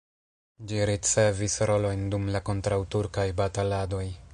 Ĝi ricevis rolojn dum la kontraŭturkaj bataladoj.